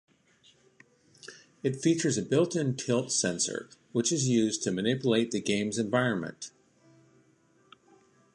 It features a built-in tilt sensor, which is used to manipulate the game's environment.